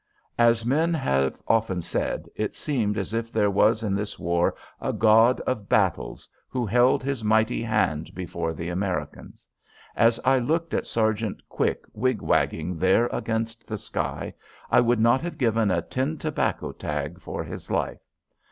As men have said often, it seemed as if there was in this war a God of Battles who held His mighty hand before the Americans. As I looked at Sergeant Quick wig wagging there against the sky, I would not have given a tin tobacco tag for his life.